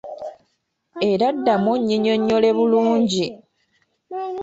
Era ddamu onnyinyonnyole bulungi!